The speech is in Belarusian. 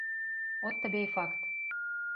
От табе й факт.